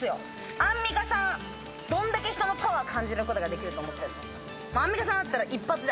アンミカさん、どんだけ人のパワー感じることができると思ってるの？